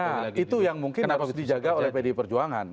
nah itu yang mungkin harus dijaga oleh pdi perjuangan